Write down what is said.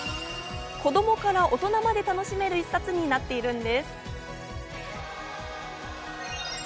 子供から大人まで楽しめる一冊になっているんです。